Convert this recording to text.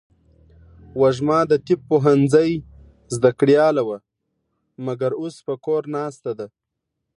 وږمه د طب پوهنځۍ زده کړیاله وه ، مګر اوس په کور ناسته ده.